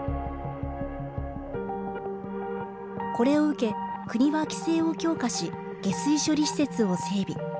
これを受け、国は規制を強化し下水処理施設を整備。